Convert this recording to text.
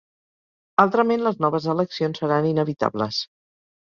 Altrament, les noves eleccions seran inevitables.